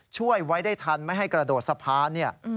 ช่วยไว้ได้ทันไม่ให้กระโดดสะพานเนี่ย